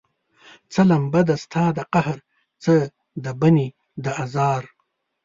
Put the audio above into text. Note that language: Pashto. څه لمبه ده ستا د قهر، څه د بني د ازاره